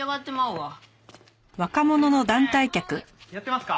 やってますか？